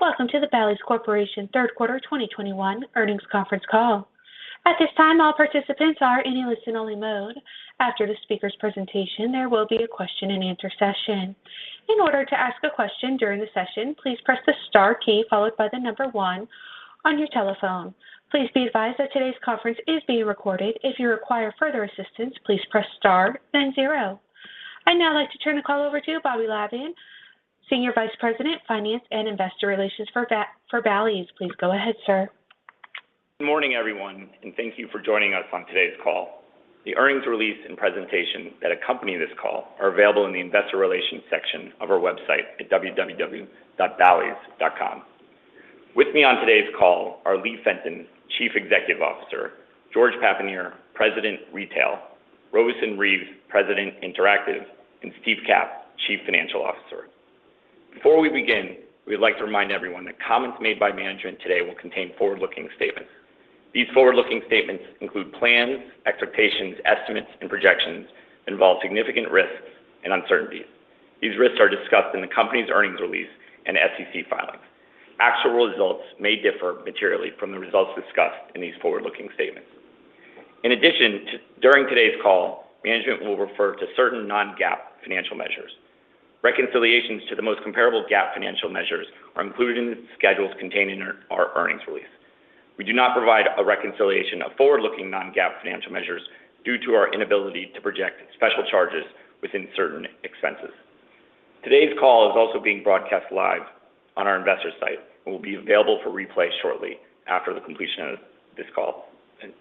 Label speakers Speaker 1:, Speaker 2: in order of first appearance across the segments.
Speaker 1: Welcome to the Bally's Corporation third quarter 2021 earnings conference call. At this time, all participants are in a listen-only mode. After the speaker's presentation, there will be a question-and-answer session. In order to ask a question during the session, please press the star key followed by the number one on your telephone. Please be advised that today's conference is being recorded. If you require further assistance, please press star then zero. I'd now like to turn the call over to Bobby Lavan, Senior Vice President, Finance & Investor Relations for Bally's. Please go ahead, sir.
Speaker 2: Good morning, everyone, and thank you for joining us on today's call. The earnings release and presentation that accompany this call are available in the investor relations section of our website at www.ballys.com. With me on today's call are Lee Fenton, Chief Executive Officer, George Papanier, President, Retail, Robeson Reeves, President, Interactive, and Steve Capp, Chief Financial Officer. Before we begin, we'd like to remind everyone that comments made by management today will contain forward-looking statements. These forward-looking statements include plans, expectations, estimates and projections, involve significant risks and uncertainties. These risks are discussed in the company's earnings release and SEC filings. Actual results may differ materially from the results discussed in these forward-looking statements. In addition, during today's call, management will refer to certain non-GAAP financial measures. Reconciliations to the most comparable GAAP financial measures are included in schedules contained in our earnings release. We do not provide a reconciliation of forward-looking non-GAAP financial measures due to our inability to project special charges within certain expenses. Today's call is also being broadcast live on our investor site and will be available for replay shortly after the completion of this call.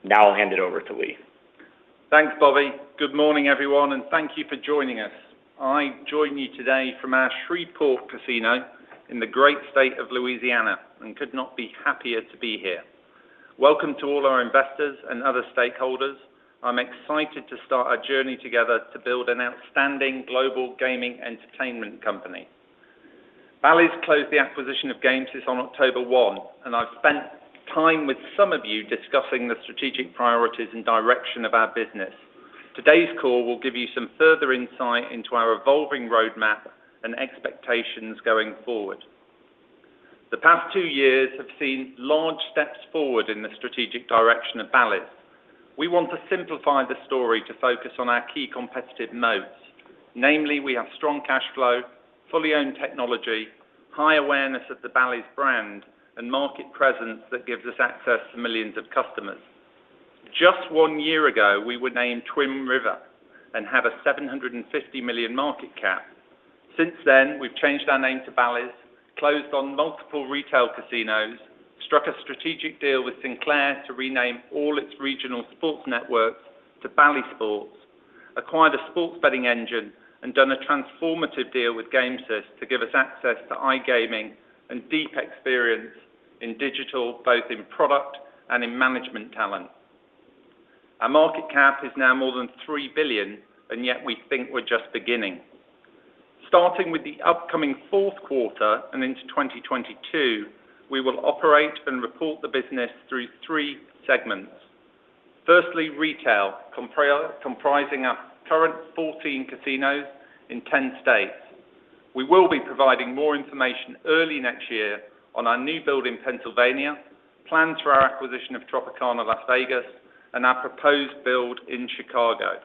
Speaker 2: Now I'll hand it over to Lee.
Speaker 3: Thanks, Bobby. Good morning, everyone, and thank you for joining us. I join you today from our Shreveport casino in the great state of Louisiana and could not be happier to be here. Welcome to all our investors and other stakeholders. I'm excited to start our journey together to build an outstanding global gaming entertainment company. Bally's has closed the acquisition of Gamesys on October 1, and I've spent time with some of you discussing the strategic priorities and direction of our business. Today's call will give you some further insight into our evolving roadmap and expectations going forward. The past 2 years have seen large steps forward in the strategic direction of Bally's. We want to simplify the story to focus on our key competitive moats. Namely, we have strong cash flow, fully owned technology, high awareness of the Bally's brand and market presence that gives us access to millions of customers. Just one year ago, we were named Twin River and had a $750 million market cap. Since then, we've changed our name to Bally's, closed on multiple retail casinos, struck a strategic deal with Sinclair to rename all its regional sports networks to Bally Sports, acquired a sports betting engine and done a transformative deal with Gamesys to give us access to iGaming and deep experience in digital, both in product and in management talent. Our market cap is now more than $3 billion, and yet we think we're just beginning. Starting with the upcoming fourth quarter and into 2022, we will operate and report the business through three segments. Retail, comprising our current 14 casinos in 10 states. We will be providing more information early next year on our new build in Pennsylvania, plans for our acquisition of Tropicana Las Vegas, and our proposed build in Chicago.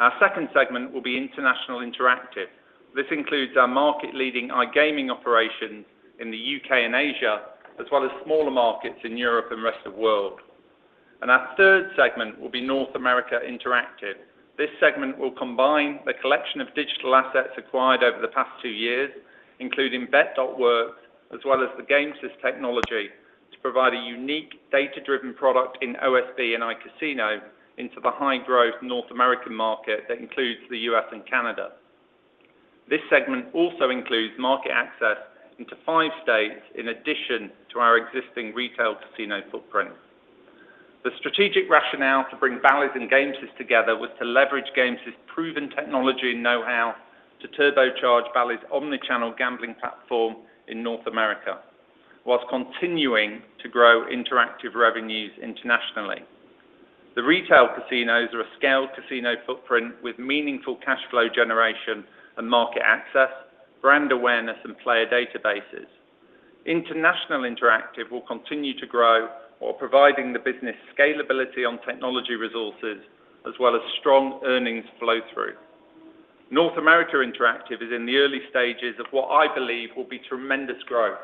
Speaker 3: Our second segment will be International Interactive. This includes our market-leading iGaming operations in the U.K. and Asia, as well as smaller markets in Europe and the rest of world. Our third segment will be North America Interactive. This segment will combine the collection of digital assets acquired over the past two years, including Bet.Works, as well as the Gamesys technology to provide a unique data-driven product in OSB and iCasino into the high-growth North American market that includes the U.S. and Canada. This segment also includes market access into 5 states in addition to our existing retail casino footprint. The strategic rationale to bring Bally's and Gamesys together was to leverage Gamesys' proven technology and know-how to turbocharge Bally's omni-channel gambling platform in North America while continuing to grow interactive revenues internationally. The Retail casinos are a scaled casino footprint with meaningful cash flow generation and market access, brand awareness and player databases. International Interactive will continue to grow while providing the business scalability on technology resources as well as strong earnings flow through. North America Interactive is in the early stages of what I believe will be tremendous growth.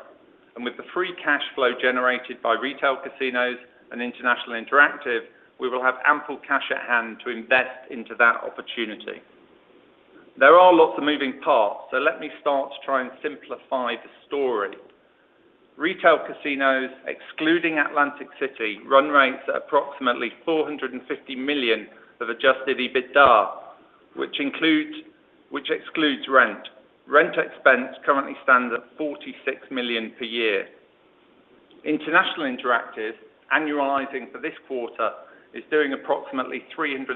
Speaker 3: With the free cash flow generated by Retail Casinos and International Interactive, we will have ample cash at hand to invest into that opportunity. There are lots of moving parts, so let me start to try and simplify the story. Retail Casinos, excluding Atlantic City, run rates at approximately $450 million of adjusted EBITDA, which excludes rent. Rent expense currently stands at $46 million per year. International Interactive, annualizing for this quarter, is doing approximately $330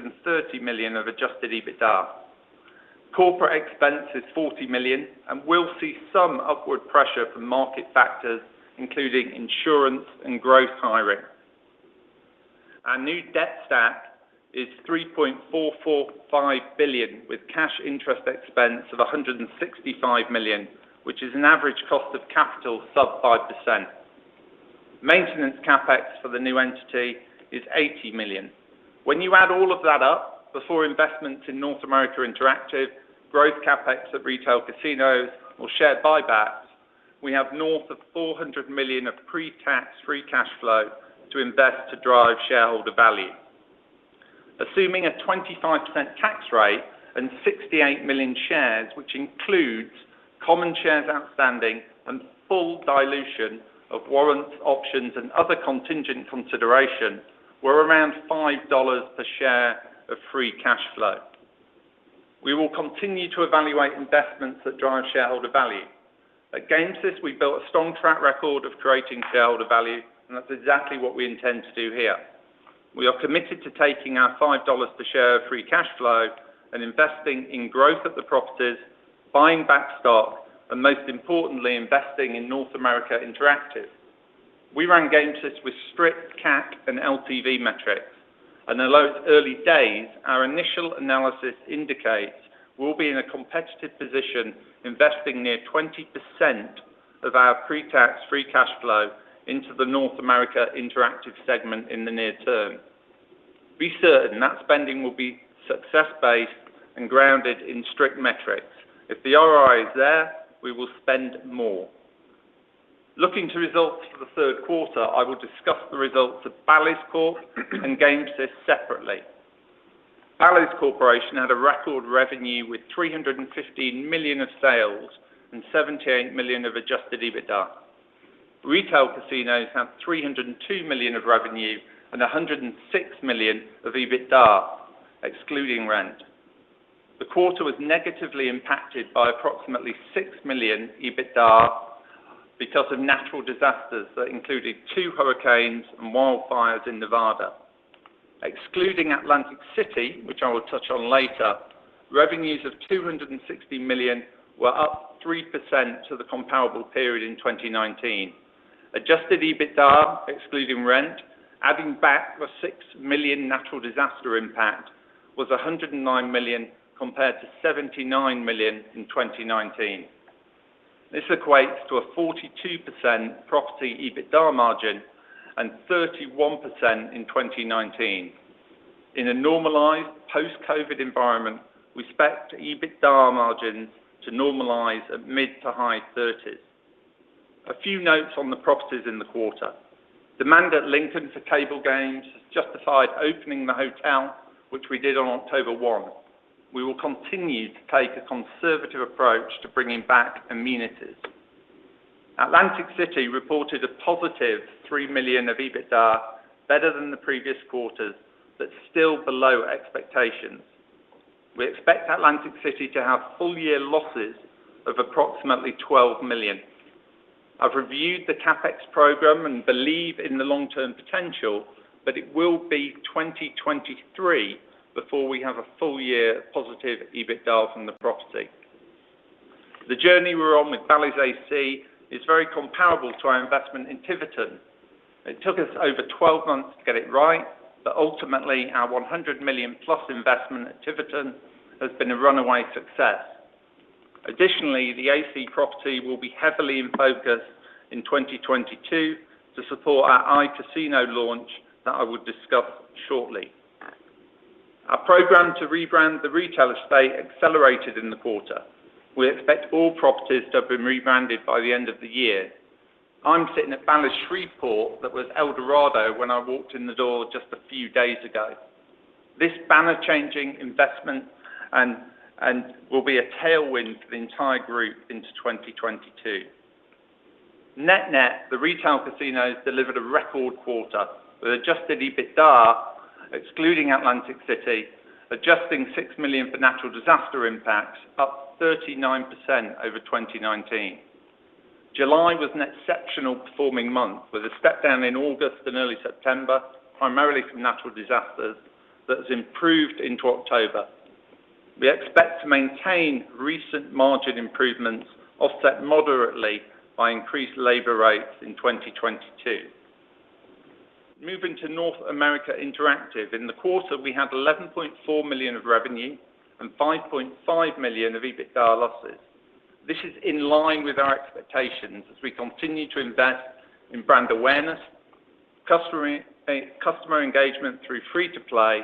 Speaker 3: million of adjusted EBITDA. Corporate expense is $40 million and will see some upward pressure from market factors, including insurance and growth hiring. Our new debt stack is $3.445 billion with cash interest expense of $165 million, which is an average cost of capital sub 5%. Maintenance CapEx for the new entity is $80 million. When you add all of that up before investments in North America Interactive, growth CapEx at retail casinos or share buybacks, we have north of $400 million of pre-tax free cash flow to invest to drive shareholder value. Assuming a 25% tax rate and 68 million shares, which includes common shares outstanding and full dilution of warrants, options and other contingent consideration, we're around $5 per share of free cash flow. We will continue to evaluate investments that drive shareholder value. At Gamesys, we built a strong track record of creating shareholder value, and that's exactly what we intend to do here. We are committed to taking our $5 per share of free cash flow and investing in growth of the properties, buying back stock, and most importantly, investing in North America Interactive. We ran Gamesys with strict CAC and LTV metrics. Although it's early days, our initial analysis indicates we'll be in a competitive position, investing near 20% of our pre-tax free cash flow into the North America Interactive segment in the near term. Be certain that spending will be success-based and grounded in strict metrics. If the ROI is there, we will spend more. Looking to results for the third quarter, I will discuss the results of Bally's Corporation and Gamesys separately. Bally's Corporation had a record revenue with $315 million of sales and $78 million of adjusted EBITDA. Retail casinos have $302 million of revenue and $106 million of EBITDA, excluding rent. The quarter was negatively impacted by approximately $6 million EBITDA because of natural disasters that included two hurricanes and wildfires in Nevada. Excluding Atlantic City, which I will touch on later, revenues of $260 million were up 3% from the comparable period in 2019. Adjusted EBITDA, excluding rent, adding back the $6 million natural disaster impact was $109 million compared to $79 million in 2019. This equates to a 42% property EBITDA margin and 31% in 2019. In a normalized post-COVID environment, we expect EBITDA margins to normalize at mid- to high-30s%. A few notes on the properties in the quarter. Demand at Lincoln for table games has justified opening the hotel, which we did on October 1. We will continue to take a conservative approach to bringing back amenities. Atlantic City reported a positive $3 million of EBITDA, better than the previous quarters, but still below expectations. We expect Atlantic City to have full-year losses of approximately $12 million. I've reviewed the CapEx program and believe in the long-term potential, but it will be 2023 before we have a full year positive EBITDA from the property. The journey we're on with Bally's AC is very comparable to our investment in Tiverton. It took us over 12 months to get it right, but ultimately our $100 million-plus investment at Tiverton has been a runaway success. Additionally, the AC property will be heavily in focus in 2022 to support our iCasino launch that I will discuss shortly. Our program to rebrand the retail estate accelerated in the quarter. We expect all properties to have been rebranded by the end of the year. I'm sitting at Bally's Shreveport that was Eldorado when I walked in the door just a few days ago. This banner changing investment and will be a tailwind for the entire group into 2022. Net-net, the retail casinos delivered a record quarter with adjusted EBITDA, excluding Atlantic City, adjusting $6 million for natural disaster impact, up 39% over 2019. July was an exceptional performing month with a step down in August and early September, primarily from natural disasters that has improved into October. We expect to maintain recent margin improvements offset moderately by increased labor rates in 2022. Moving to North America Interactive. In the quarter, we had $11.4 million of revenue and $5.5 million of EBITDA losses. This is in line with our expectations as we continue to invest in brand awareness, customer engagement through free-to-play,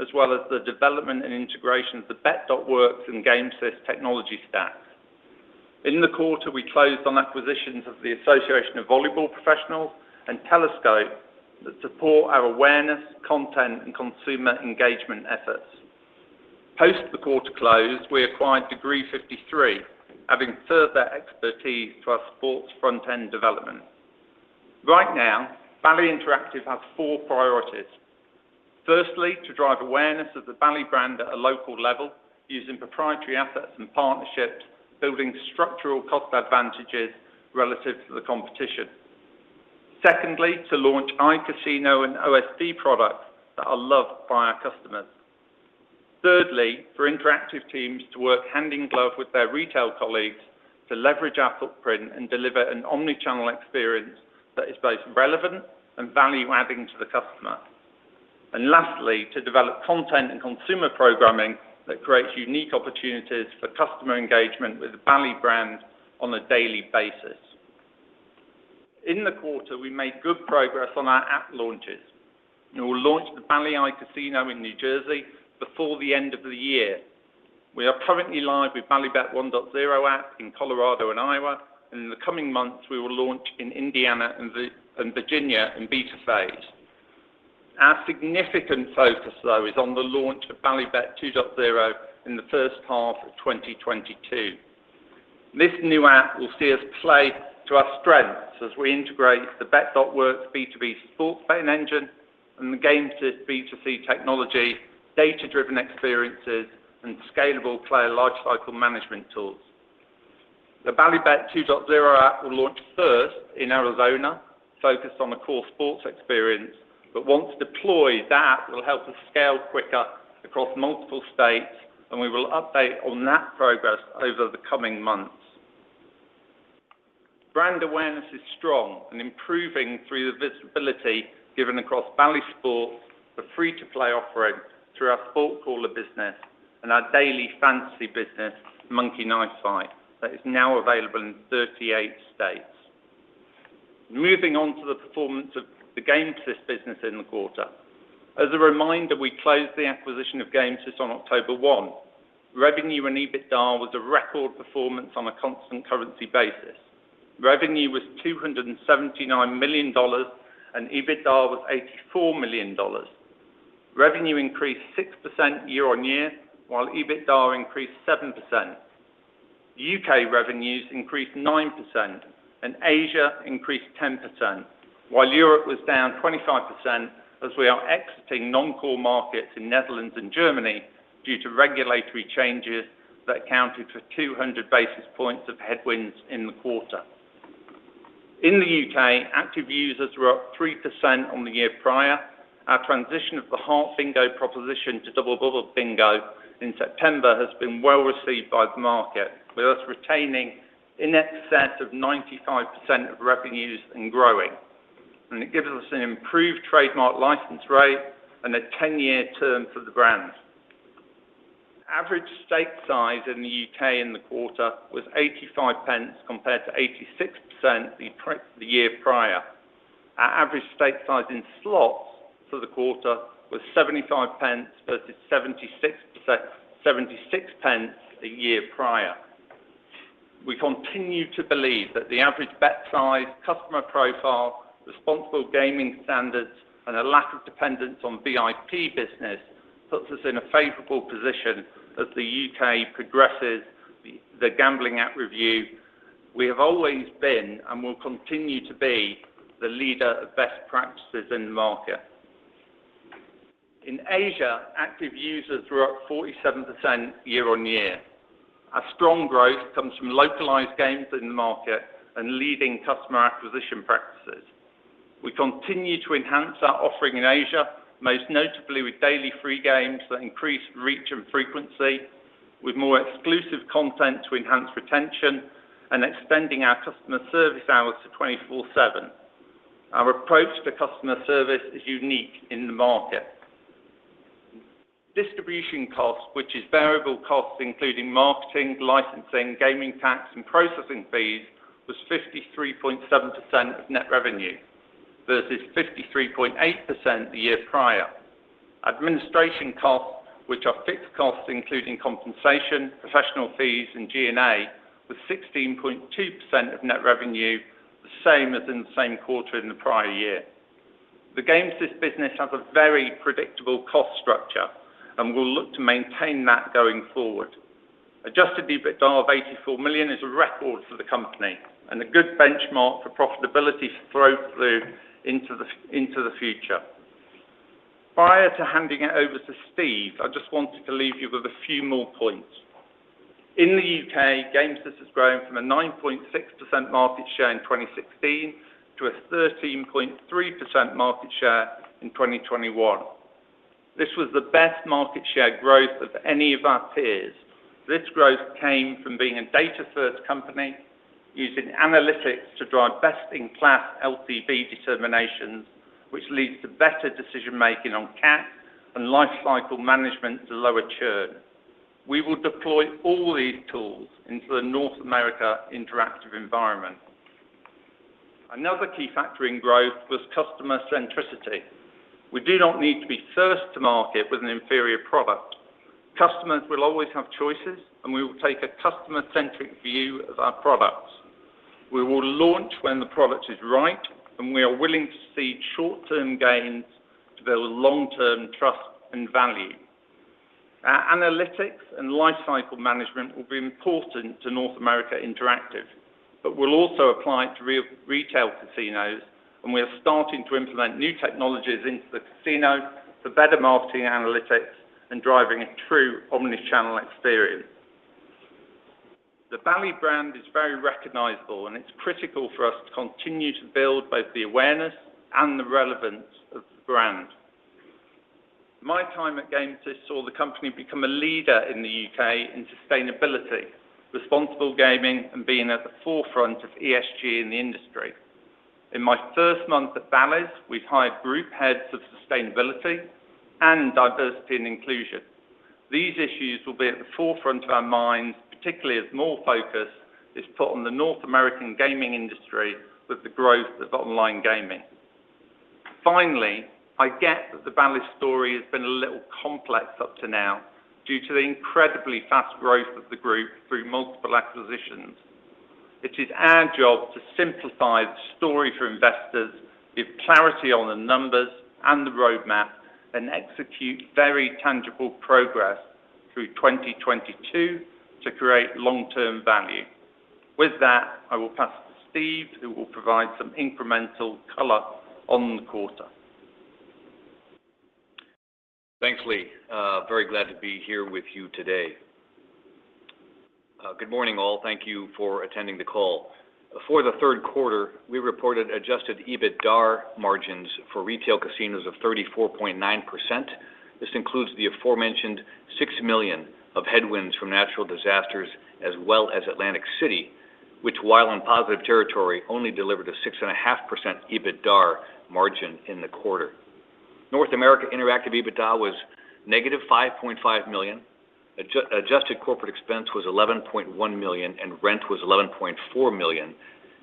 Speaker 3: as well as the development and integration of the Bet.Works and Gamesys technology stacks. In the quarter, we closed on acquisitions of the Association of Volleyball Professionals and Telescope that support our awareness, content, and consumer engagement efforts. After the quarter closed, we acquired Degree 53, adding further expertise to our sports front-end development. Right now, Bally Interactive has four priorities. Firstly, to drive awareness of the Bally brand at a local level using proprietary assets and partnerships, building structural cost advantages relative to the competition. Secondly, to launch iCasino and OSB products that are loved by our customers. Thirdly, for interactive teams to work hand in glove with their retail colleagues to leverage our footprint and deliver an omni-channel experience that is both relevant and value-adding to the customer. Lastly, to develop content and consumer programming that creates unique opportunities for customer engagement with the Bally brand on a daily basis. In the quarter, we made good progress on our app launches. We will launch the Bally iCasino in New Jersey before the end of the year. We are currently live with Bally Bet 1.0 app in Colorado and Iowa, and in the coming months, we will launch in Indiana and Virginia in beta phase. Our significant focus, though, is on the launch of Bally Bet 2.0 in the first half of 2022. This new app will see us play to our strengths as we integrate the Bet.Works B2B sports betting engine and the Gamesys B2C technology, data-driven experiences, and scalable player life cycle management tools. The Bally Bet 2.0 app will launch first in Arizona, focused on the core sports experience. Once deployed, the app will help us scale quicker across multiple states, and we will update on that progress over the coming months. Brand awareness is strong and improving through the visibility given across Bally Sports, the free-to-play offering through our SportCaller business and our daily fantasy business, Monkey Knife Fight, that is now available in 38 states. Moving on to the performance of the Gamesys business in the quarter. As a reminder, we closed the acquisition of Gamesys on October 1. Revenue and EBITDA was a record performance on a constant currency basis. Revenue was $279 million and EBITDA was $84 million. Revenue increased 6% year-on-year, while EBITDA increased 7%. UK revenues increased 9% and Asia increased 10%, while Europe was down 25% as we are exiting non-core markets in Netherlands and Germany due to regulatory changes that accounted for 200 basis points of headwinds in the quarter. In the U.K., active users were up 3% on the year prior. Our transition of the Heart Bingo proposition to Double Bubble Bingo in September has been well-received by the market, with us retaining in excess of 95% of revenues and growing. It gives us an improved trademark license rate and a 10-year term for the brand. Average stake size in the U.K. in the quarter was 0.85 compared to 0.86 the year prior. Our average stake size in slots for the quarter was 0.75 versus 0.76 the year prior. We continue to believe that the average bet size, customer profile, responsible gaming standards, and a lack of dependence on VIP business puts us in a favorable position as the U.K. progresses the Gambling Act review. We have always been and will continue to be the leader of best practices in the market. In Asia, active users were up 47% year-over-year. Our strong growth comes from localized games in the market and leading customer acquisition practices. We continue to enhance our offering in Asia, most notably with daily free games that increase reach and frequency with more exclusive content to enhance retention and extending our customer service hours to 24/7. Our approach to customer service is unique in the market. Distribution costs, which is variable costs, including marketing, licensing, gaming tax, and processing fees, was 53.7% of net revenue versus 53.8% the year prior. Administration costs, which are fixed costs including compensation, professional fees and G&A, was 16.2% of net revenue, the same as in the same quarter in the prior year. The Gamesys business has a very predictable cost structure and we'll look to maintain that going forward. Adjusted EBITDA of $84 million is a record for the company and a good benchmark for profitability throughout into the future. Prior to handing it over to Steve, I just wanted to leave you with a few more points. In the U.K., Gamesys has grown from a 9.6% market share in 2016 to a 13.3% market share in 2021. This was the best market share growth of any of our peers. This growth came from being a data-first company using analytics to drive best-in-class LTV determinations, which leads to better decision-making on CAC and lifecycle management to lower churn. We will deploy all these tools into the North America Interactive environment. Another key factor in growth was customer centricity. We do not need to be first to market with an inferior product. Customers will always have choices, and we will take a customer-centric view of our products. We will launch when the product is right, and we are willing to cede short-term gains to build long-term trust and value. Our analytics and lifecycle management will be important to North America Interactive, but we'll also apply it to retail casinos, and we are starting to implement new technologies into the casino for better marketing analytics and driving a true omni-channel experience. The Bally brand is very recognizable, and it's critical for us to continue to build both the awareness and the relevance of the brand. My time at Gamesys saw the company become a leader in the U.K. in sustainability, responsible gaming, and being at the forefront of ESG in the industry. In my first month at Bally's, we've hired group heads of sustainability and diversity and inclusion. These issues will be at the forefront of our minds, particularly as more focus is put on the North American gaming industry with the growth of online gaming. Finally, I get that the Bally's story has been a little complex up to now due to the incredibly fast growth of the group through multiple acquisitions. It is our job to simplify the story for investors, give clarity on the numbers and the roadmap, and execute very tangible progress through 2022 to create long-term value. With that, I will pass to Steve, who will provide some incremental color on the quarter.
Speaker 4: Thanks, Lee. Very glad to be here with you today. Good morning, all. Thank you for attending the call. For the third quarter, we reported adjusted EBITDA margins for retail casinos of 34.9%. This includes the aforementioned $6 million of headwinds from natural disasters, as well as Atlantic City, which, while in positive territory, only delivered a 6.5% EBITDA margin in the quarter. North America Interactive EBITDA was negative $5.5 million. Adjusted corporate expense was $11.1 million, and rent was $11.4 million,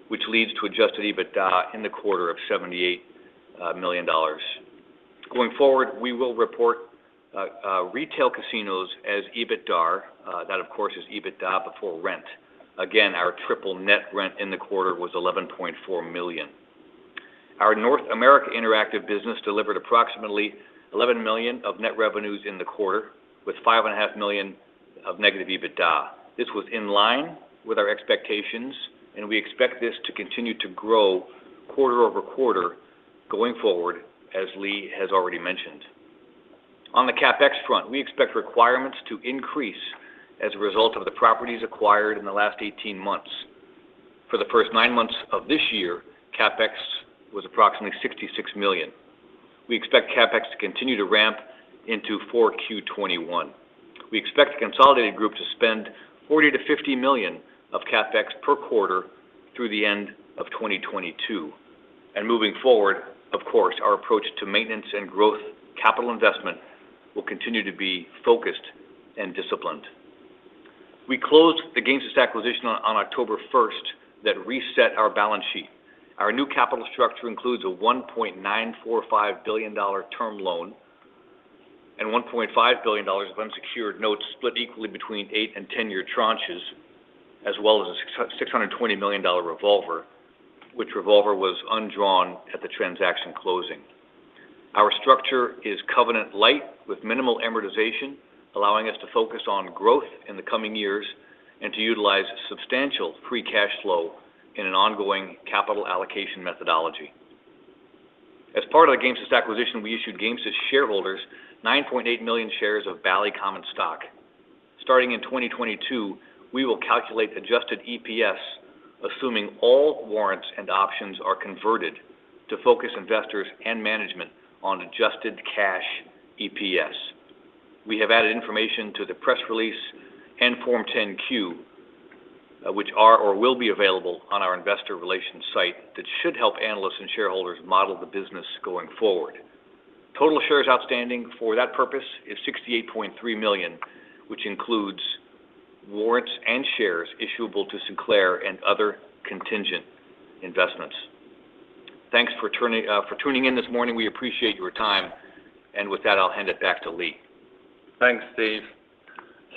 Speaker 4: which leads to adjusted EBITDA in the quarter of $78 million. Going forward, we will report retail casinos as EBITDA. That, of course, is EBITDA before rent. Again, our triple net rent in the quarter was $11.4 million. Our North America Interactive business delivered approximately $11 million of net revenues in the quarter, with $5.5 million of negative EBITDA. This was in line with our expectations, and we expect this to continue to grow quarter-over-quarter going forward, as Lee has already mentioned. On the CapEx front, we expect requirements to increase as a result of the properties acquired in the last eighteen months. For the first nine months of this year, CapEx was approximately $66 million. We expect CapEx to continue to ramp into 4Q 2021. We expect the consolidated group to spend $40 million-$50 million of CapEx per quarter through the end of 2022. Moving forward, of course, our approach to maintenance and growth capital investment will continue to be focused and disciplined. We closed the Gamesys acquisition on October first that reset our balance sheet. Our new capital structure includes a $1.945 billion term loan and $1.5 billion of unsecured notes split equally between eight- and 10-year tranches, as well as a $660 million revolver, which revolver was undrawn at the transaction closing. Our structure is covenant light with minimal amortization, allowing us to focus on growth in the coming years and to utilize substantial free cash flow in an ongoing capital allocation methodology. As part of the Gamesys acquisition, we issued Gamesys shareholders 9.8 million shares of Bally common stock. Starting in 2022, we will calculate adjusted EPS, assuming all warrants and options are converted to focus investors and management on adjusted cash EPS. We have added information to the press release and Form 10-Q, which are or will be available on our investor relations site that should help analysts and shareholders model the business going forward. Total shares outstanding for that purpose is 68.3 million, which includes warrants and shares issuable to Sinclair and other contingent investments. Thanks for tuning in this morning. We appreciate your time. With that, I'll hand it back to Lee.
Speaker 3: Thanks, Steve.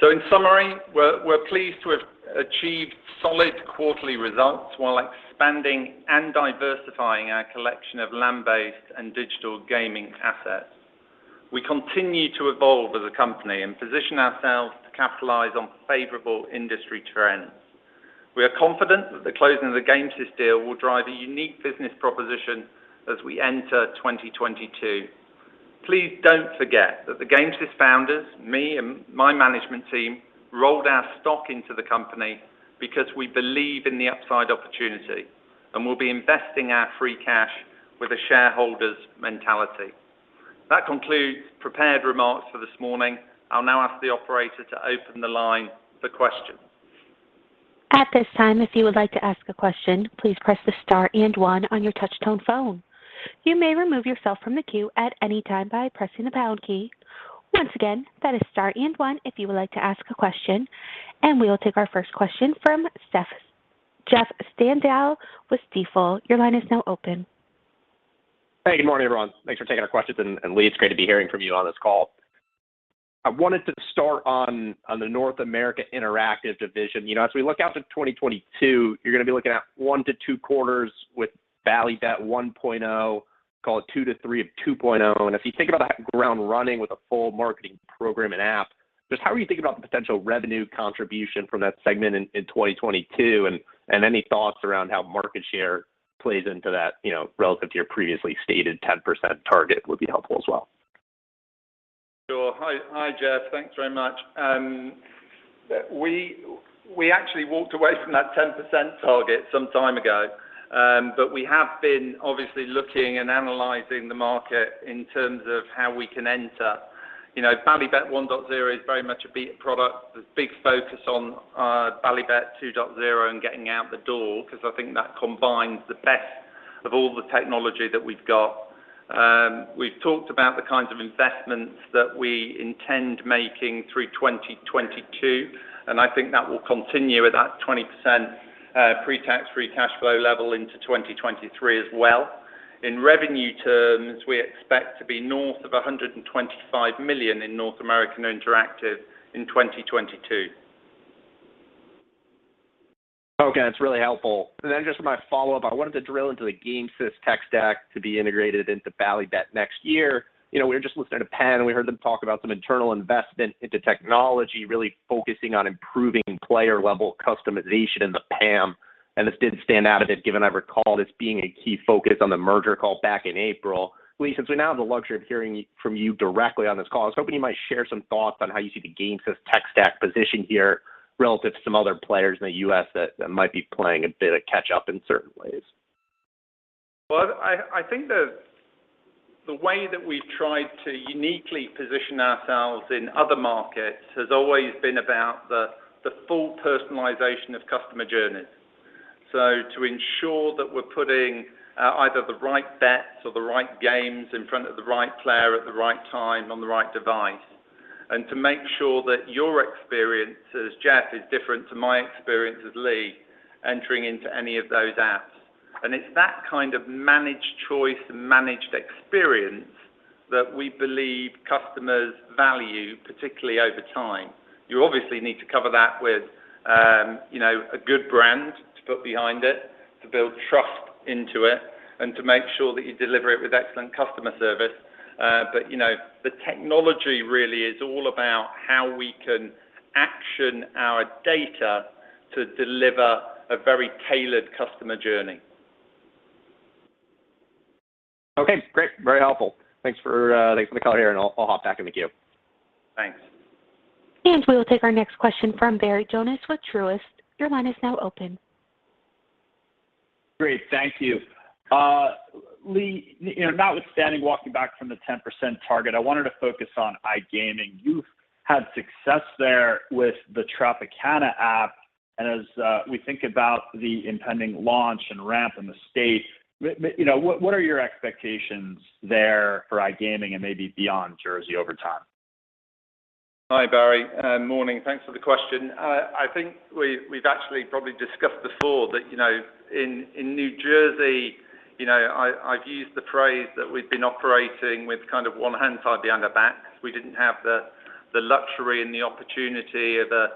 Speaker 3: In summary, we're pleased to have achieved solid quarterly results while expanding and diversifying our collection of land-based and digital gaming assets. We continue to evolve as a company and position ourselves to capitalize on favorable industry trends. We are confident that the closing of the Gamesys deal will drive a unique business proposition as we enter 2022. Please don't forget that the Gamesys founders, me and my management team, rolled our stock into the company because we believe in the upside opportunity, and we'll be investing our free cash with a shareholder's mentality. That concludes prepared remarks for this morning. I'll now ask the operator to open the line for questions.
Speaker 1: We will take our first question from Jeffrey Stantial with Stifel. Your line is now open.
Speaker 5: Hey, good morning, everyone. Thanks for taking our questions. Lee, it's great to be hearing from you on this call. I wanted to start on the North America Interactive division. You know, as we look out to 2022, you're gonna be looking at one to two quarters with Bally Bet 1.0, call it two to three of 2.0. If you think about hitting the ground running with a full marketing program and app, just how are you thinking about the potential revenue contribution from that segment in 2022? Any thoughts around how market share plays into that, you know, relative to your previously stated 10% target would be helpful as well.
Speaker 3: Sure. Hi, Jeff. Thanks very much. We actually walked away from that 10% target some time ago, but we have been obviously looking and analyzing the market in terms of how we can enter. You know, Bally Bet 1.0 is very much a beta product. There's big focus on Bally Bet 2.0 and getting out the door, 'cause I think that combines the best of all the technology that we've got. We've talked about the kinds of investments that we intend making through 2022, and I think that will continue with that 20%, pre-tax, free cash flow level into 2023 as well. In revenue terms, we expect to be north of $125 million in North America Interactive in 2022.
Speaker 5: Okay, that's really helpful. Just my follow-up, I wanted to drill into the Gamesys tech stack to be integrated into Bally Bet next year. You know, we were just listening to Penn and we heard them talk about some internal investment into technology, really focusing on improving player-level customization in the PAM, and this did stand out a bit, given I recall this being a key focus on the merger call back in April. Lee, since we now have the luxury of hearing from you directly on this call, I was hoping you might share some thoughts on how you see the Gamesys tech stack position here relative to some other players in the U.S. that might be playing a bit of catch up in certain ways.
Speaker 3: Well, I think the way that we've tried to uniquely position ourselves in other markets has always been about the full personalization of customer journeys. To ensure that we're putting either the right bets or the right games in front of the right player at the right time on the right device, and to make sure that your experience as Jeff is different to my experience as Lee entering into any of those apps. It's that kind of managed choice and managed experience that we believe customers value, particularly over time. You obviously need to cover that with you know, a good brand to put behind it, to build trust into it, and to make sure that you deliver it with excellent customer service. You know, the technology really is all about how we can action our data to deliver a very tailored customer journey.
Speaker 5: Okay, great. Very helpful. Thanks for the call here, and I'll hop back in the queue.
Speaker 3: Thanks.
Speaker 1: We will take our next question from Barry Jonas with Truist. Your line is now open.
Speaker 6: Great. Thank you. Lee, you know, notwithstanding walking back from the 10% target, I wanted to focus on iGaming. You've had success there with the Tropicana app, and as we think about the impending launch and ramp in the state, you know, what are your expectations there for iGaming and maybe beyond Jersey over time?
Speaker 3: Hi, Barry. Morning. Thanks for the question. I think we've actually probably discussed before that, you know, in New Jersey, you know, I've used the phrase that we've been operating with kind of one hand tied behind our back. We didn't have the luxury and the opportunity of a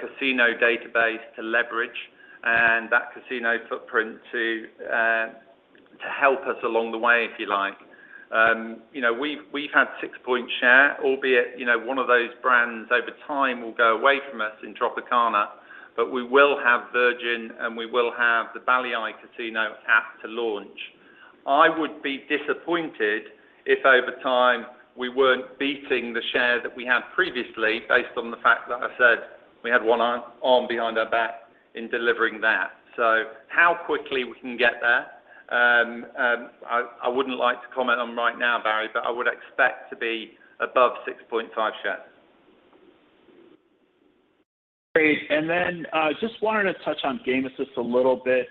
Speaker 3: casino database to leverage and that casino footprint to help us along the way, if you like. You know, we've had 6% share, albeit, you know, one of those brands over time will go away from us in Tropicana, but we will have Virgin and we will have the Bally iCasino app to launch. I would be disappointed if over time we weren't beating the share that we had previously based on the fact that I said we had one arm behind our back in delivering that. How quickly we can get there, I wouldn't like to comment on right now, Barry, but I would expect to be above $6.5 share.
Speaker 6: Great. Just wanted to touch on Gamesys just a little bit.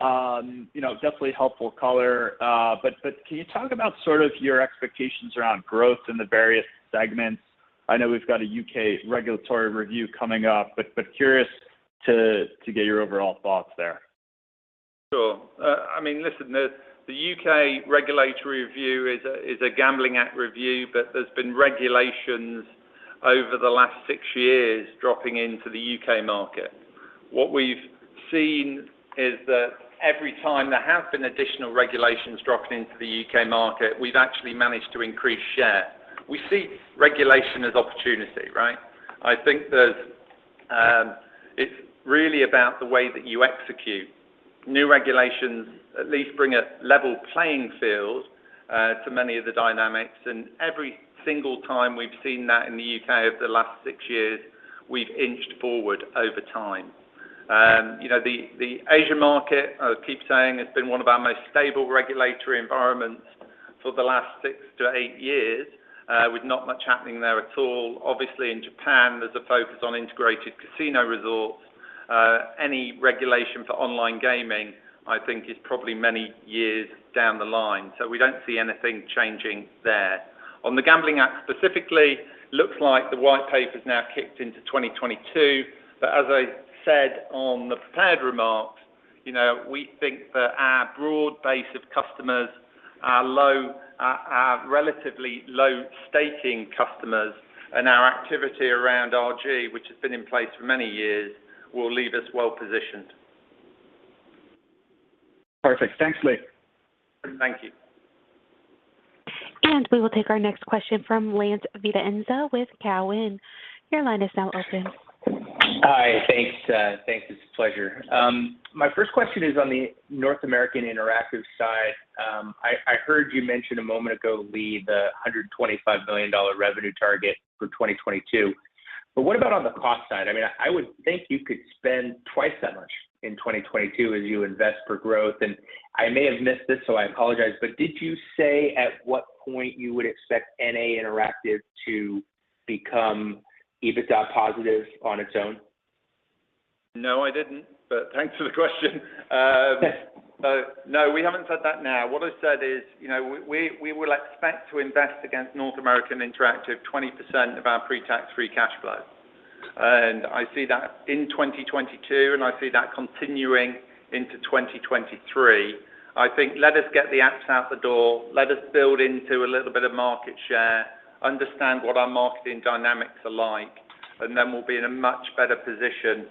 Speaker 6: You know, definitely helpful color. But can you talk about sort of your expectations around growth in the various segments? I know we've got a U.K. regulatory review coming up, but curious to get your overall thoughts there.
Speaker 3: Sure. I mean, listen, the U.K. regulatory review is a Gambling Act review, but there's been regulations over the last six years dropping into the U.K. market. What we've seen is that every time there have been additional regulations dropping into the U.K. market, we've actually managed to increase share. We see regulation as opportunity, right? I think that it's really about the way that you execute new regulations, at least bring a level playing field to many of the dynamics. Every single time we've seen that in the U.K. over the last six years, we've inched forward over time. You know, the Asia market, I keep saying, has been one of our most stable regulatory environments for the last six to eight years with not much happening there at all. Obviously, in Japan, there's a focus on integrated casino resorts. Any regulation for online gaming, I think, is probably many years down the line. We don't see anything changing there. On the Gambling Act specifically, looks like the white paper's now kicked into 2022. As I said on the prepared remarks, you know, we think that our broad base of customers are relatively low staking customers and our activity around RG, which has been in place for many years, will leave us well-positioned.
Speaker 6: Perfect. Thanks, Lee.
Speaker 3: Thank you.
Speaker 1: We will take our next question from Lance Vitanza with Cowen. Your line is now open.
Speaker 7: Hi. Thanks, it's a pleasure. My first question is on the North America Interactive side. I heard you mention a moment ago, Lee, the $125 million revenue target for 2022, but what about on the cost side? I mean, I would think you could spend twice that much in 2022 as you invest for growth, and I may have missed this, so I apologize, but did you say at what point you would expect NA Interactive to become EBITDA positive on its own?
Speaker 3: No, I didn't, but thanks for the question. No, we haven't said that now. What I said is, you know, we will expect to invest against North America Interactive 20% of our pre-tax free cash flow. I see that in 2022, and I see that continuing into 2023. I think let us get the apps out the door. Let us build into a little bit of market share, understand what our marketing dynamics are like, and then we'll be in a much better position,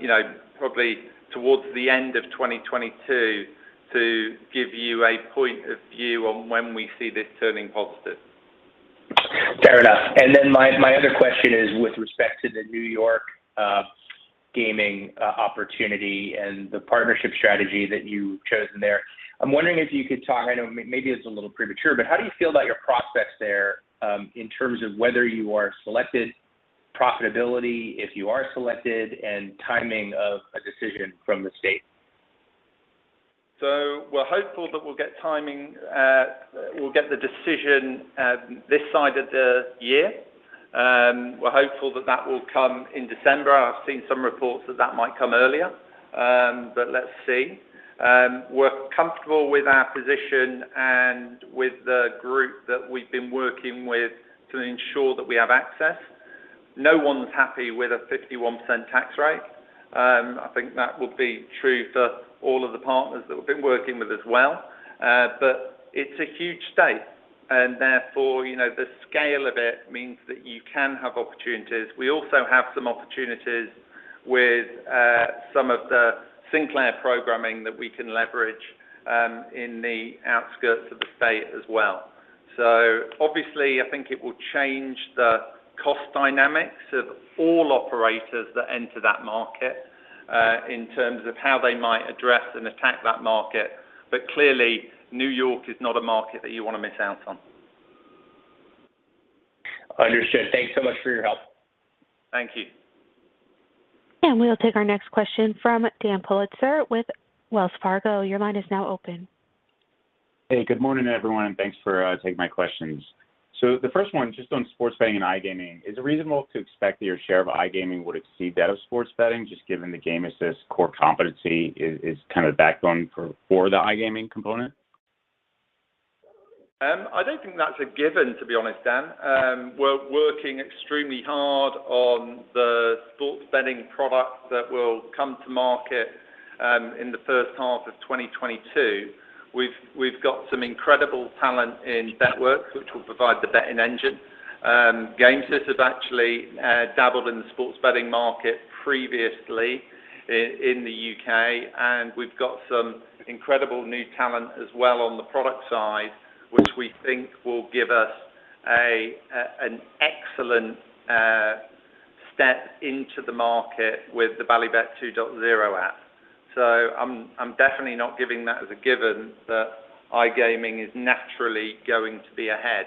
Speaker 3: you know, probably towards the end of 2022 to give you a point of view on when we see this turning positive.
Speaker 7: Fair enough. My other question is with respect to the New York gaming opportunity and the partnership strategy that you've chosen there. I'm wondering if you could talk. I know maybe it's a little premature, but how do you feel about your prospects there in terms of whether you are selected, profitability if you are selected and timing of a decision from the state?
Speaker 3: We're hopeful that we'll get the decision this side of the year. We're hopeful that that will come in December. I've seen some reports that that might come earlier, but let's see. We're comfortable with our position and with the group that we've been working with to ensure that we have access. No one's happy with a 51% tax rate. I think that would be true for all of the partners that we've been working with as well. It's a huge state and therefore, you know, the scale of it means that you can have opportunities. We also have some opportunities with some of the Sinclair programming that we can leverage in the outskirts of the state as well. Obviously I think it will change the cost dynamics of all operators that enter that market, in terms of how they might address and attack that market. Clearly, New York is not a market that you wanna miss out on.
Speaker 7: Understood. Thanks so much for your help.
Speaker 3: Thank you.
Speaker 1: We'll take our next question from Daniel Politzer with Wells Fargo. Your line is now open.
Speaker 8: Hey, good morning, everyone, and thanks for taking my questions. The first one just on sports betting and iGaming. Is it reasonable to expect that your share of iGaming would exceed that of sports betting just given that Gamesys core competency is kind of backbone for the iGaming component?
Speaker 3: I don't think that's a given, to be honest, Dan. We're working extremely hard on the sports betting product that will come to market in the first half of 2022. We've got some incredible talent in Bet.Works, which will provide the betting engine. Gamesys have actually dabbled in the sports betting market previously in the U.K., and we've got some incredible new talent as well on the product side, which we think will give us an excellent step into the market with the Bally Bet 2.0 app. I'm definitely not giving that as a given that iGaming is naturally going to be ahead.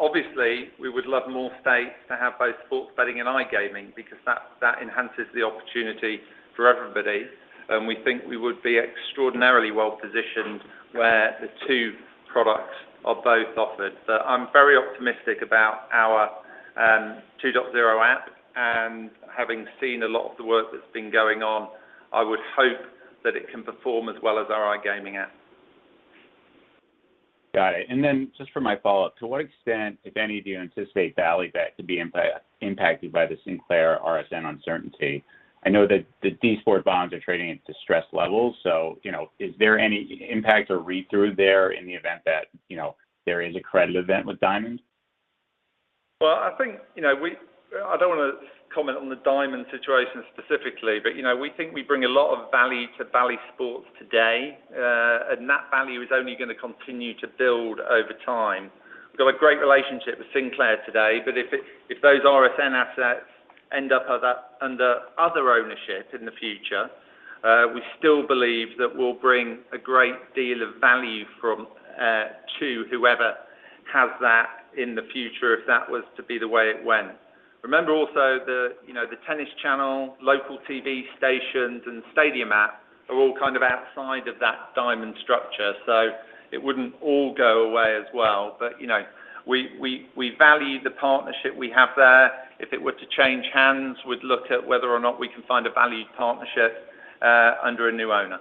Speaker 3: Obviously we would love more states to have both sports betting and iGaming because that enhances the opportunity for everybody. We think we would be extraordinarily well-positioned where the two products are both offered. I'm very optimistic about our 2.0 app and having seen a lot of the work that's been going on, I would hope that it can perform as well as our iGaming app.
Speaker 8: Got it. Just for my follow-up, to what extent, if any, do you anticipate Bally Bet to be impacted by the Sinclair RSN uncertainty? I know that the Diamond Sports bonds are trading at distressed levels, so, you know, is there any impact or read-through there in the event that, you know, there is a credit event with Diamond?
Speaker 3: Well, I think, you know, I don't wanna comment on the Diamond situation specifically, but, you know, we think we bring a lot of value to Bally Sports today. That value is only gonna continue to build over time. We've got a great relationship with Sinclair today, but if those RSN assets end up under other ownership in the future, we still believe that we'll bring a great deal of value from to whoever has that in the future if that was to be the way it went. Remember also you know, the Tennis Channel, local TV stations and Stadium app are all kind of outside of that Diamond structure, so it wouldn't all go away as well. You know, we value the partnership we have there. If it were to change hands, we'd look at whether or not we can find a valued partnership under a new owner.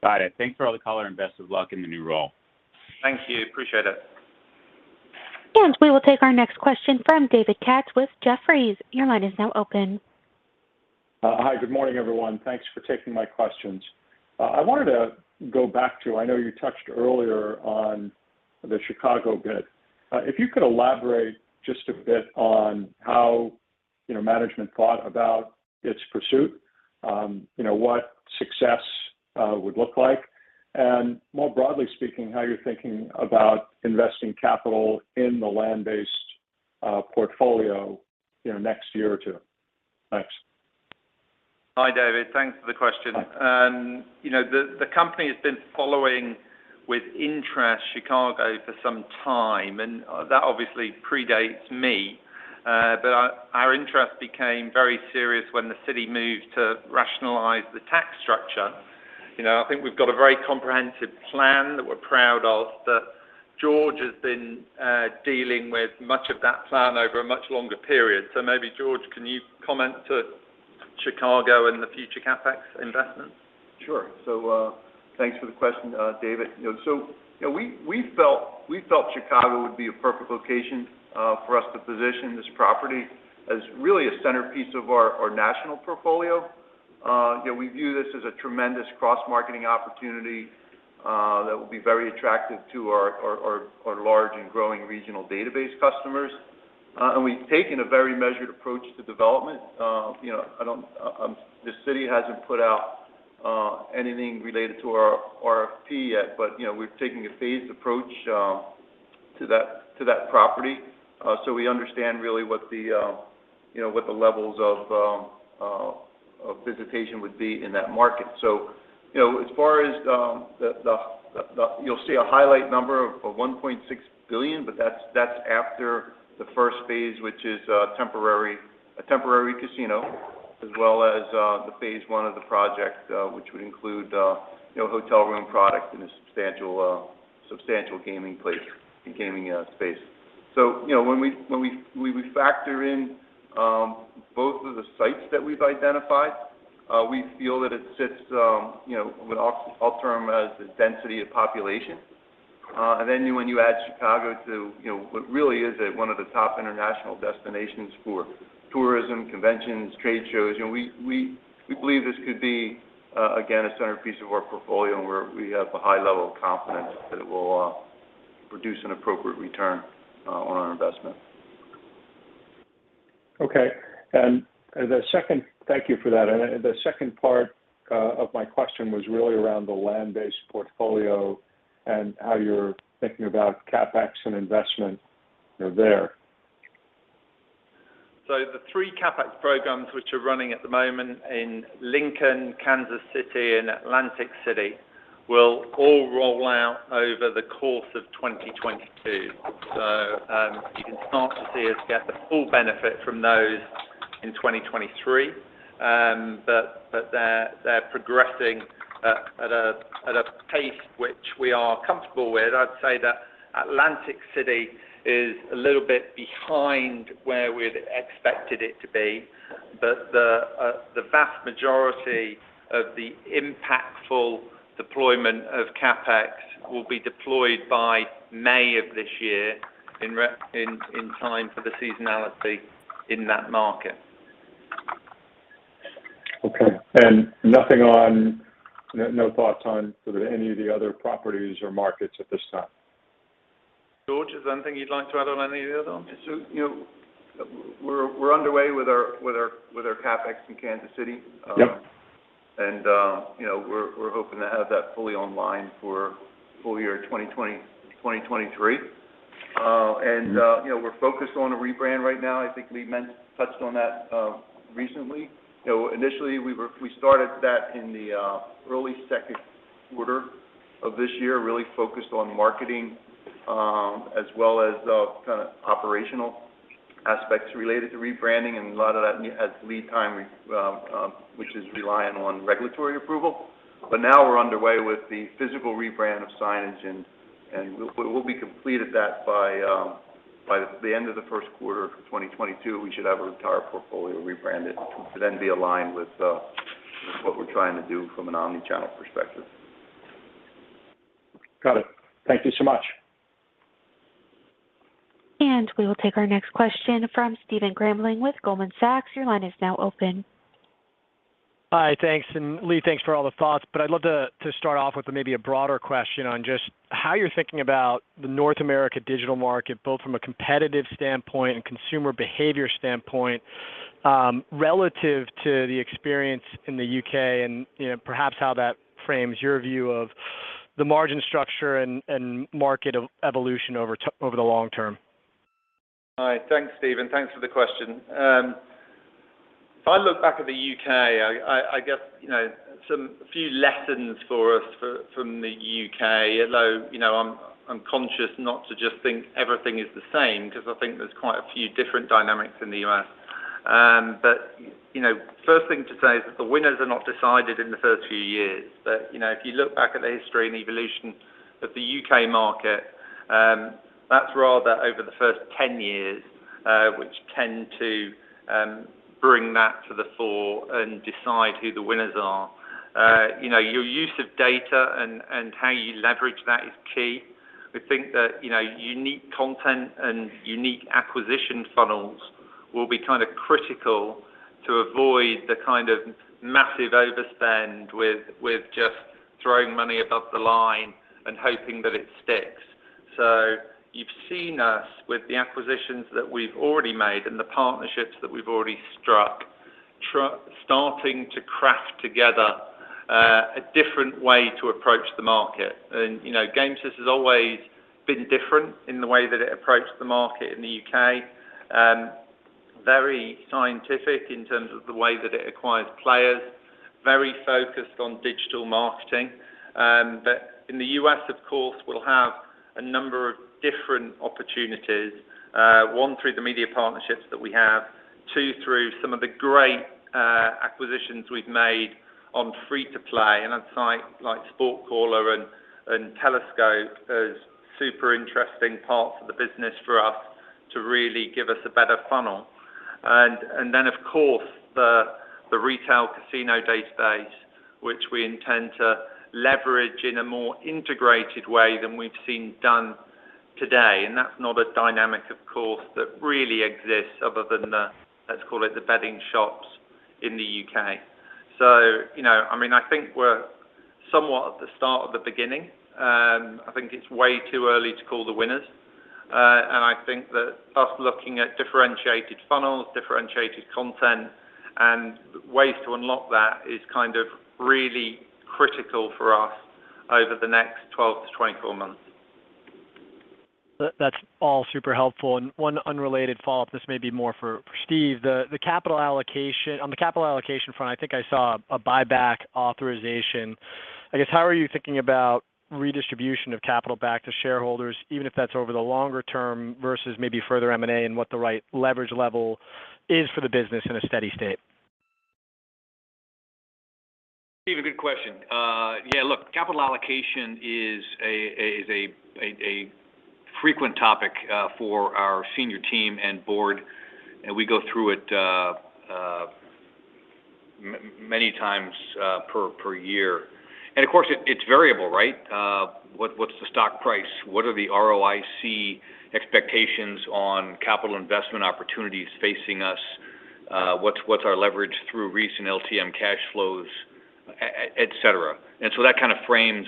Speaker 8: Got it. Thanks for all the color and best of luck in the new role.
Speaker 3: Thank you. Appreciate it.
Speaker 1: We will take our next question from David Katz with Jefferies. Your line is now open.
Speaker 9: Hi. Good morning, everyone. Thanks for taking my questions. I wanted to go back to, I know you touched earlier on the Chicago bid. If you could elaborate just a bit on how, you know, management thought about its pursuit, you know, what success would look like, and more broadly speaking, how you're thinking about investing capital in the land-based portfolio, you know, next year or two. Thanks.
Speaker 3: Hi, David. Thanks for the question.
Speaker 9: Hi.
Speaker 3: You know, the company has been following with interest Chicago for some time, and that obviously predates me. But our interest became very serious when the city moved to rationalize the tax structure. You know, I think we've got a very comprehensive plan that we're proud of, that George has been dealing with much of that plan over a much longer period. Maybe, George, can you comment on Chicago and the future CapEx investments?
Speaker 10: Sure, thanks for the question, David. You know, we felt Chicago would be a perfect location for us to position this property as really a centerpiece of our national portfolio. You know, we view this as a tremendous cross-marketing opportunity that will be very attractive to our large and growing regional database customers. We've taken a very measured approach to development. The city hasn't put out anything related to our RFP yet, but you know, we're taking a phased approach to that property so we understand really what the levels of visitation would be in that market. You know, as far as the... You'll see a highlight number of $1.6 billion, but that's after the first phase, which is temporary, a temporary casino as well as the Phase 1 of the project, which would include, you know, hotel room product and a substantial gaming place and gaming space. When we factor in both of the sites that we've identified, we feel that it fits in terms of the density of population. When you add Chicago to, you know, what really is one of the top international destinations for tourism, conventions, trade shows, you know, we believe this could be, again, a centerpiece of our portfolio and we have a high level of confidence that it will produce an appropriate return on our investment.
Speaker 9: Okay. Thank you for that. The second part of my question was really around the land-based portfolio and how you're thinking about CapEx and investment there.
Speaker 3: The three CapEx programs which are running at the moment in Lincoln, Kansas City, and Atlantic City will all roll out over the course of 2022. You can start to see us get the full benefit from those in 2023. They're progressing at a pace which we are comfortable with. I'd say that Atlantic City is a little bit behind where we'd expected it to be. The vast majority of the impactful deployment of CapEx will be deployed by May of this year in time for the seasonality in that market.
Speaker 9: Okay. No thoughts on sort of any of the other properties or markets at this time?
Speaker 3: George, is there anything you'd like to add on any of the others?
Speaker 10: You know, we're underway with our CapEx in Kansas City.
Speaker 9: Yep.
Speaker 10: You know, we're hoping to have that fully online for full year 2023. You know, we're focused on a rebrand right now. I think Lee touched on that recently. You know, initially we started that in the early second quarter of this year, really focused on marketing as well as kind of operational aspects related to rebranding and a lot of that has lead time, which is reliant on regulatory approval. Now we're underway with the physical rebrand of signage and we'll have completed that by the end of the first quarter of 2022. We should have our entire portfolio rebranded to then be aligned with what we're trying to do from an omni-channel perspective.
Speaker 9: Got it. Thank you so much.
Speaker 1: We will take our next question from Stephen Grambling with Goldman Sachs. Your line is now open.
Speaker 11: Hi. Thanks. Lee, thanks for all the thoughts, but I'd love to start off with maybe a broader question on just how you're thinking about the North America digital market, both from a competitive standpoint and consumer behavior standpoint, relative to the experience in the U.K. and, you know, perhaps how that frames your view of the margin structure and market evolution over the long term.
Speaker 3: Hi. Thanks, Steven. Thanks for the question. If I look back at the U.K., I guess, you know, a few lessons for us from the U.K., although, you know, I'm conscious not to just think everything is the same because I think there's quite a few different dynamics in the U.S. First thing to say is that the winners are not decided in the first few years. If you look back at the history and evolution of the U.K. market, that's rather over the first 10 years, which tend to bring that to the fore and decide who the winners are. You know, your use of data and how you leverage that is key. We think that, you know, unique content and unique acquisition funnels will be kind of critical to avoid the kind of massive overspend with just throwing money above the line and hoping that it sticks. You've seen us with the acquisitions that we've already made and the partnerships that we've already struck, starting to craft together a different way to approach the market. You know, Gamesys has always been different in the way that it approached the market in the U.K. Very scientific in terms of the way that it acquires players, very focused on digital marketing. But in the U.S., of course, we'll have a number of different opportunities. One, through the media partnerships that we have. Two, through some of the great acquisitions we've made on free-to-play and onsite like SportCaller and Telescope as super interesting parts of the business for us to really give us a better funnel. Of course, the retail casino database, which we intend to leverage in a more integrated way than we've seen done today. That's not a dynamic, of course, that really exists other than the, let's call it the betting shops in the U.K. You know, I mean, I think we're somewhat at the start of the beginning. I think it's way too early to call the winners. I think that us looking at differentiated funnels, differentiated content and ways to unlock that is kind of really critical for us over the next 12 to 24 months.
Speaker 11: That's all super helpful. One unrelated follow-up. This may be more for Steve. The capital allocation, on the capital allocation front, I think I saw a buyback authorization. I guess, how are you thinking about redistribution of capital back to shareholders, even if that's over the longer term versus maybe further M&A and what the right leverage level is for the business in a steady state?
Speaker 4: Steve, a good question. Capital allocation is a frequent topic for our senior team and board, and we go through it many times per year. Of course it is variable, right? What is the stock price? What are the ROIC expectations on capital investment opportunities facing us? What is our leverage through recent LTM cash flows, et cetera. So that kind of frames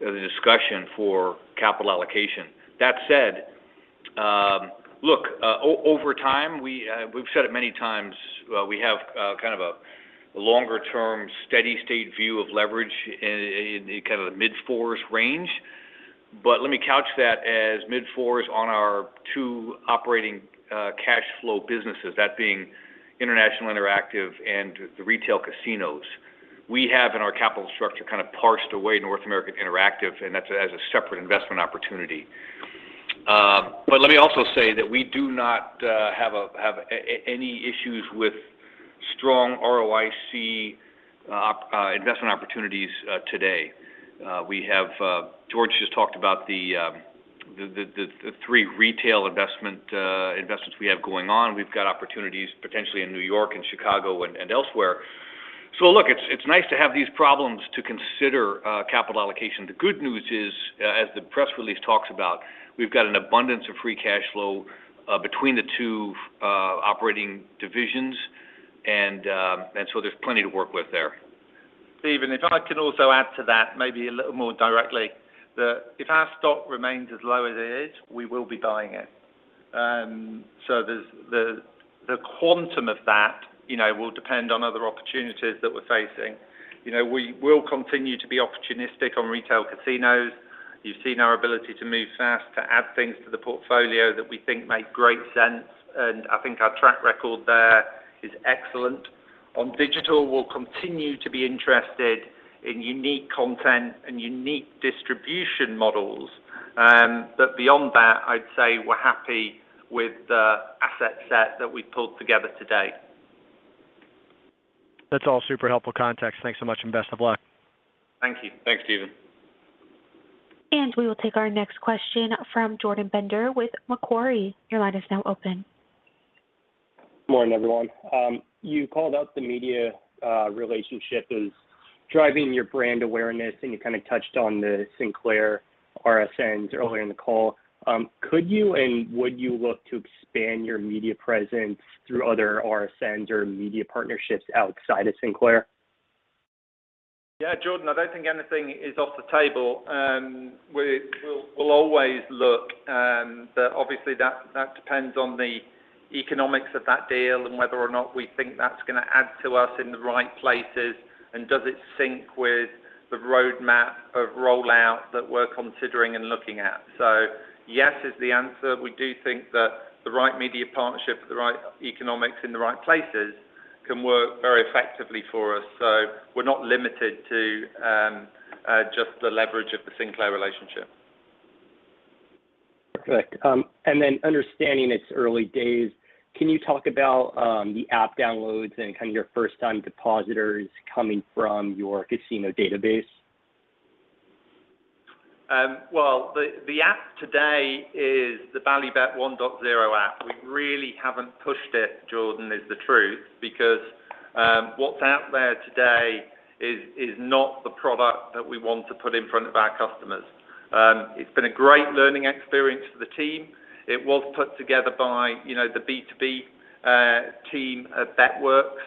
Speaker 4: the discussion for capital allocation. That said, over time, we have said it many times, we have kind of a longer term steady state view of leverage in kind of the mid-fours range. Let me couch that as mid-fours on our two operating cash flow businesses, that being International Interactive and the retail casinos. We have in our capital structure kind of parsed away North America Interactive, and that's as a separate investment opportunity. Let me also say that we do not have any issues with strong ROIC investment opportunities today. We have George just talked about the three retail investments we have going on. We've got opportunities potentially in New York and Chicago and elsewhere. Look, it's nice to have these problems to consider capital allocation. The good news is as the press release talks about, we've got an abundance of free cash flow between the two operating divisions, and so there's plenty to work with there.
Speaker 3: Stephen, if I can also add to that maybe a little more directly, that if our stock remains as low as it is, we will be buying it. The quantum of that, you know, will depend on other opportunities that we're facing. You know, we will continue to be opportunistic on retail casinos. You've seen our ability to move fast to add things to the portfolio that we think make great sense, and I think our track record there is excellent. On digital, we'll continue to be interested in unique content and unique distribution models. Beyond that, I'd say we're happy with the asset set that we've pulled together today.
Speaker 11: That's all super helpful context. Thanks so much, and best of luck.
Speaker 3: Thank you.
Speaker 4: Thanks, Stephen.
Speaker 1: We will take our next question from Jordan Bender with Macquarie. Your line is now open.
Speaker 12: Morning, everyone. You called out the media relationship as driving your brand awareness, and you kinda touched on the Sinclair RSNs earlier in the call. Could you and would you look to expand your media presence through other RSNs or media partnerships outside of Sinclair?
Speaker 3: Yeah, Jordan, I don't think anything is off the table. We'll always look, but obviously that depends on the economics of that deal and whether or not we think that's gonna add to us in the right places and does it sync with the roadmap of rollout that we're considering and looking at. Yes is the answer. We do think that the right media partnership with the right economics in the right places can work very effectively for us. We're not limited to just the leverage of the Sinclair relationship.
Speaker 12: Perfect. Understanding its early days, can you talk about the app downloads and kind of your first time depositors coming from your casino database?
Speaker 3: Well, the app today is the Bally Bet 1.0 app. We really haven't pushed it, Jordan, is the truth because what's out there today is not the product that we want to put in front of our customers. It's been a great learning experience for the team. It was put together by, you know, the B2B team at Bet.Works,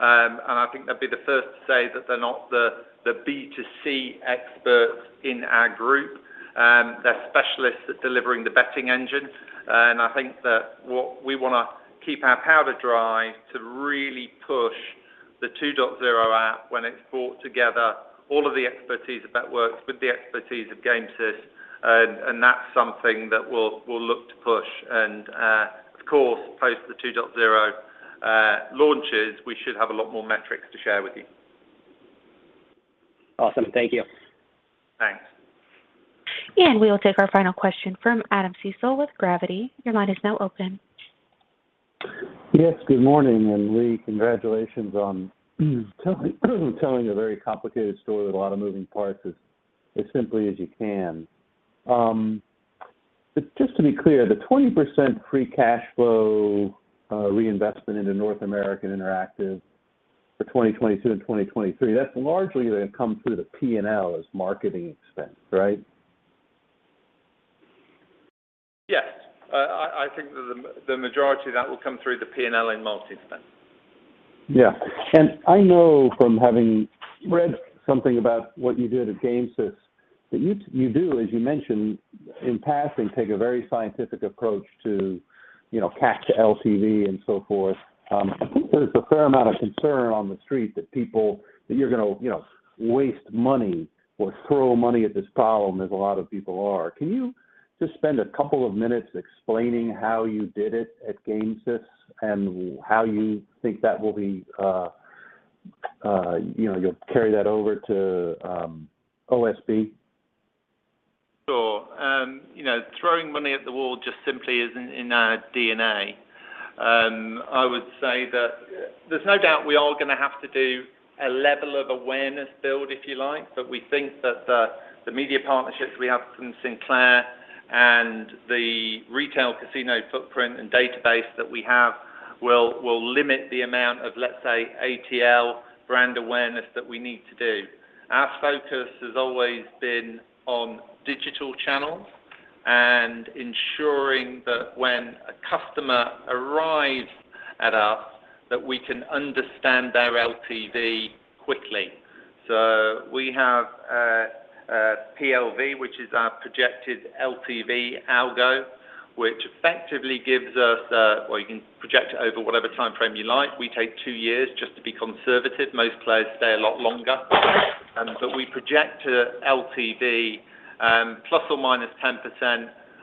Speaker 3: and I think they'd be the first to say that they're not the B2C experts in our group. They're specialists at delivering the betting engine. I think that what we wanna keep our powder dry to really push the 2.0 app when it's brought together all of the expertise of Bet.Works with the expertise of Gamesys, and that's something that we'll look to push. Of course, post the 2.0 launches, we should have a lot more metrics to share with you.
Speaker 12: Awesome. Thank you.
Speaker 3: Thanks.
Speaker 1: We will take our final question from Adam Cecil with Gravity. Your line is now open.
Speaker 13: Yes, good morning. Lee, congratulations on telling a very complicated story with a lot of moving parts as simply as you can. Just to be clear, the 20% free cash flow reinvestment into North America Interactive for 2022 and 2023, that's largely gonna come through the P&L as marketing expense, right?
Speaker 3: Yes. I think that the majority of that will come through the P&L in multi-spend.
Speaker 13: Yeah. I know from having read something about what you did at Gamesys, that you do, as you mentioned in passing, take a very scientific approach to, you know, CAC to LTV and so forth. I think there's a fair amount of concern on the street that people that you're gonna, you know, waste money or throw money at this problem as a lot of people are. Can you just spend a couple of minutes explaining how you did it at Gamesys and how you think that will be, you know, you'll carry that over to OSB?
Speaker 3: Sure. You know, throwing money at the wall just simply isn't in our DNA. I would say that there's no doubt we are gonna have to do a level of awareness build, if you like. We think that the media partnerships we have from Sinclair and the retail casino footprint and database that we have will limit the amount of, let's say, ATL brand awareness that we need to do. Our focus has always been on digital channels and ensuring that when a customer arrives at us, that we can understand their LTV quickly. We have PLV, which is our projected LTV algo, which effectively gives us, well, you can project it over whatever timeframe you like. We take two years just to be conservative. Most players stay a lot longer. We project a LTV, plus or minus 10%,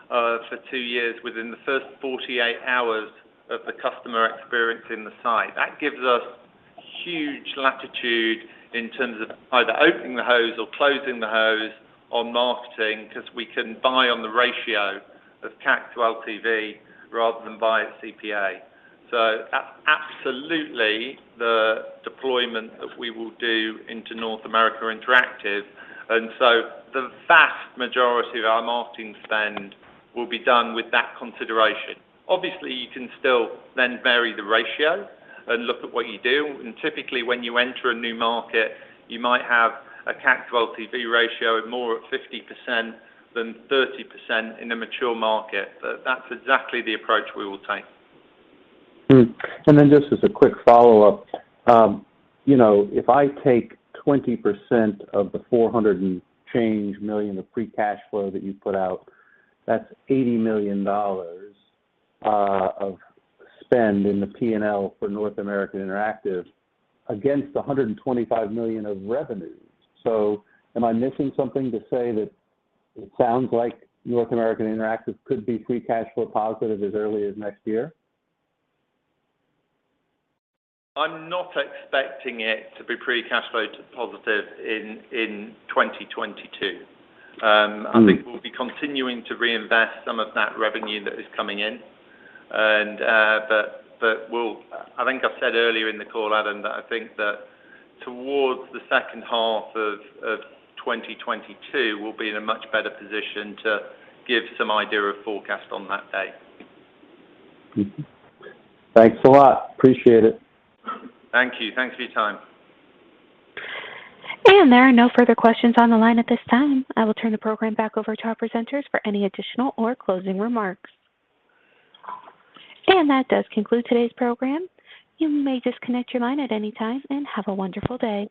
Speaker 3: for two years within the first 48 hours of the customer experience in the site. That gives us huge latitude in terms of either opening the hose or closing the hose on marketing because we can buy on the ratio of CAC to LTV rather than buy a CPA. Absolutely, the deployment that we will do into North America Interactive, and so the vast majority of our marketing spend will be done with that consideration. Obviously, you can still then vary the ratio and look at what you do and typically when you enter a new market, you might have a CAC to LTV ratio more at 50% than 30% in a mature market. That's exactly the approach we will take.
Speaker 13: Just as a quick follow-up, you know, if I take 20% of the $400 and change million of free cash flow that you put out, that's $80 million of spend in the P&L for North American Interactive against $125 million of revenue. Am I missing something to say that it sounds like North American Interactive could be free cash flow positive as early as next year?
Speaker 3: I'm not expecting it to be free cash flow to positive in 2022. I think we'll be continuing to reinvest some of that revenue that is coming in. I think I said earlier in the call, Adam, that I think that towards the second half of 2022, we'll be in a much better position to give some idea of forecast on that day.
Speaker 13: Thanks a lot. Appreciate it.
Speaker 3: Thank you. Thanks for your time.
Speaker 1: There are no further questions on the line at this time. I will turn the program back over to our presenters for any additional or closing remarks. That does conclude today's program. You may disconnect your line at any time and have a wonderful day.